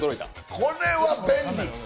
これは便利！